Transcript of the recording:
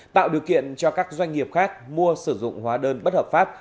tạo điều kiện cho các doanh nghiệp khác mua sử dụng hóa đơn bất hợp pháp